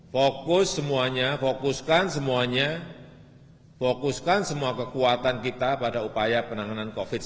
fokus semuanya fokuskan semuanya fokuskan semua kekuatan kita pada upaya penanganan covid sembilan belas